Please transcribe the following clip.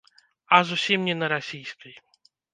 А зусім не на расійскай.